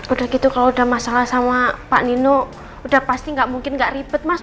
udah gitu kalau udah masalah sama pak nino udah pasti nggak mungkin nggak ribet mas